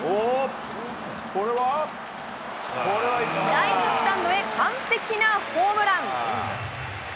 ライトスタンドへ完璧なホームラン。